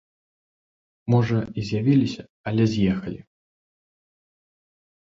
Можа, і з'явіліся, але з'ехалі.